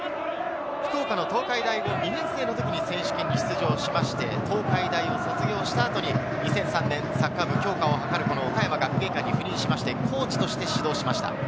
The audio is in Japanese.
福岡の東海大五２年生の時に選手権に出場しまして、東海大を卒業した後に２００３年、サッカー部強化を図る岡山学芸館に赴任しまして、コーチとして指導しました。